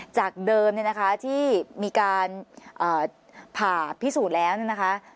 จากเดิมที่มีการผ่าพิสูจน์แล้วนะคะ